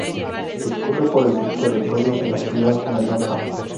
Discurre por el territorio de la ciudad de Anapa.